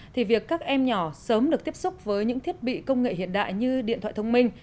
thì việc các em nhỏ sớm được tiếp xúc với những thiết bị công nghệ hiện đại như điện thoại thông minh